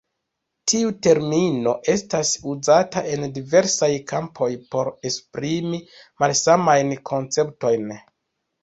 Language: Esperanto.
Tiu termino estas uzata en diversaj kampoj por esprimi malsamajn konceptojn.